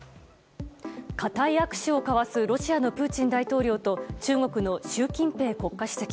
固い握手を交わすロシアのプーチン大統領と中国の習近平国家主席。